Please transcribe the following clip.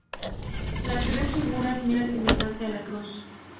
Las tres figuras miran fijamente a la cruz.